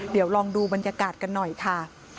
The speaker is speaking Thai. เดี๋ยวลองดูบรรยากาศกันหน่อยค่ะ